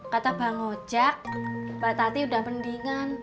kata bang ojak mbak tati udah mendingan